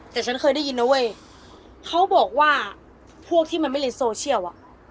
แต่ฉันเคยได้ยินนะเว้ยเขาบอกว่าพวกที่มันไม่เล่นโซเชียลอ่ะ